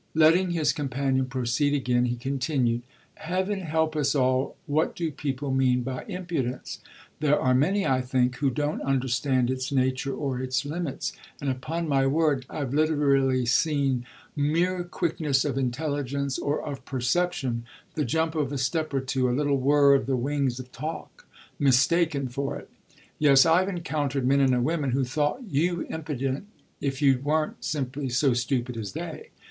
Letting his companion proceed again he continued: "Heaven help us all, what do people mean by impudence? There are many, I think, who don't understand its nature or its limits; and upon my word I've literally seen mere quickness of intelligence or of perception, the jump of a step or two, a little whirr of the wings of talk, mistaken for it. Yes, I've encountered men and women who thought you impudent if you weren't simply so stupid as they.